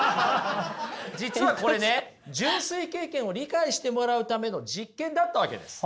実はこれね純粋経験を理解してもらうための実験だったわけです。